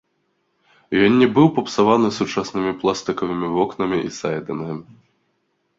Ён не быў папсаваны сучаснымі пластыкавымі вокнамі і сайдынгам.